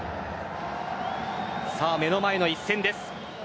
目の前の一戦です。